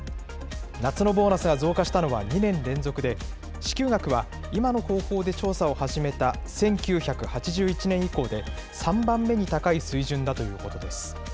夏のボーナスが増加したのは２年連続で、支給額は今の方法で調査を始めた１９８１年以降で、３番目に高い水準だということです。